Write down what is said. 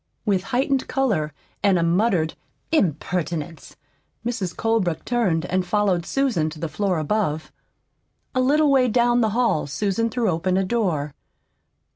With heightened color and a muttered "Impertinence!" Mrs. Colebrook turned and followed Susan to the floor above. A little way down the hall Susan threw open a door.